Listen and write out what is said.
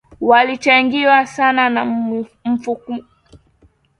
yalichangiwa sana na mfumuko wa bei